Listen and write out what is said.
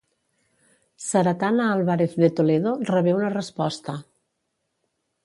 Ceretana Álvarez de Toledo rebé una resposta.